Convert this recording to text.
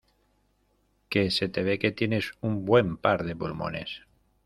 que se te ve que tienes un buen par de pulmones.